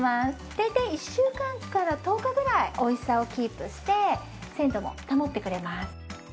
大体１週間から１０日ぐらい美味しさをキープして鮮度も保ってくれます。